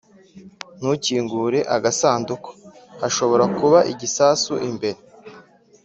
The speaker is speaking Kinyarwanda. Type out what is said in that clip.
ntukingure agasanduku. hashobora kuba igisasu imbere.